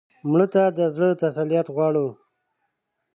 مړه ته د زړه تسلیت غواړو